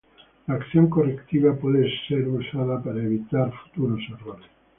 La acción correctiva puede ser usada para evitar futuros errores.